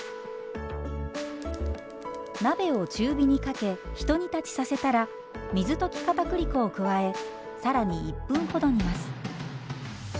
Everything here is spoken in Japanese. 鍋を中火にかけひと煮立ちさせたら水溶きかたくり粉を加え更に１分ほど煮ます。